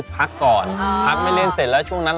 เป็นคนใจหรือเปล่าโอค่ะ